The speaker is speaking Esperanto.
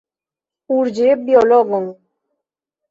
Urĝe biologon!